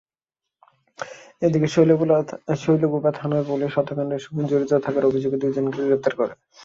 এদিকে শৈলকুপা থানার পুলিশ হত্যাকাণ্ডের সঙ্গে জড়িত থাকার অভিযোগে দুজনকে গ্রেপ্তার করে।